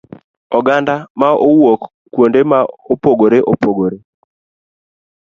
oganda ma owuok kuonde ma opogore opogore.